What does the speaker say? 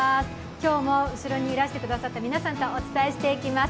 今日も後ろにいらしてくださった皆さんとお伝えします。